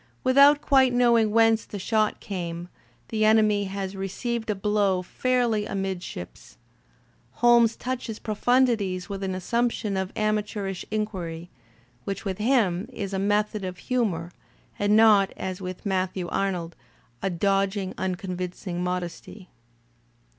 With out quite knowing whence the shot came, the enemy has received a blow fairly amidships. Holmes touches pro fundities with an assumption of amateurish inquiry, which with him is a method of humour, and not, as with Matthew Arnold, a dodging, unconvincing modesty.